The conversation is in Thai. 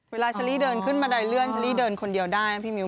เวลาเชอรี่เดินขึ้นบันไดเลื่อนเชอรี่เดินคนเดียวได้นะพี่มิว